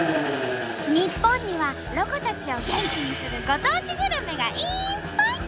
日本にはロコたちを元気にするご当地グルメがいっぱい！